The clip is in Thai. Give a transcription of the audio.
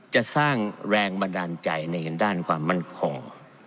จะสร้างแรงบันดาลใจในด้านความมั่นคง